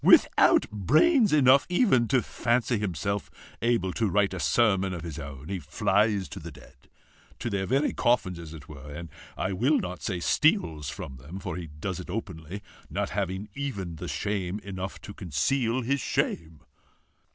Without brains enough even to fancy himself able to write a sermon of his own, he flies to the dead, to their very coffins as it were and I will not say STEALS from them, for he does it openly, not having even shame enough to conceal his shame!"